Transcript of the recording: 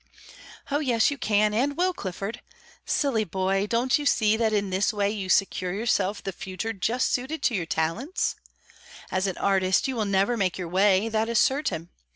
"Oh yes, you can and will, Clifford. Silly boy, don't you see that in this way you secure yourself the future just suited to your talents? As an artist you will never make your way; that is certain.